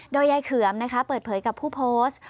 โดยยายเขือมเปิดเผยกับผู้โพสต์